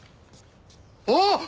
あっ！